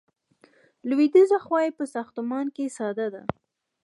لویدیځه خوا یې په ساختمان کې ساده ده.